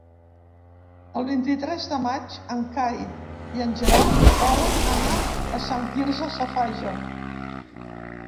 El vint-i-tres de maig en Cai i en Gerard volen anar a Sant Quirze Safaja.